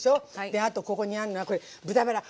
であとここにあるのが豚バラ。